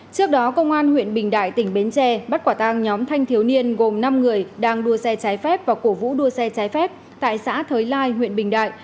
trước đó công an huyện bình đại tỉnh bến tre bắt quả tang nhóm thanh thiếu niên gồm năm người đang đua xe trái phép và cổ vũ đua xe trái phép tại xã thới lai huyện bình đại